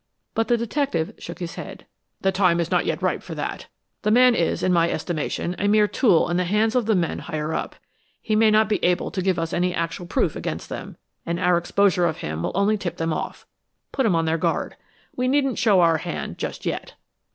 But the detective shook his head. "The time is not yet ripe for that. The man is, in my estimation, a mere tool in the hands of the men higher up. He may not be able to give us any actual proof against them, and our exposure of him will only tip them off put 'em on their guard. We needn't show our hand just yet."